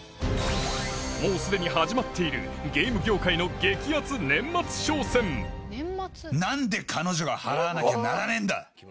もうすでに始まっているゲーム業界の何で彼女が払わなきゃならねえんだ！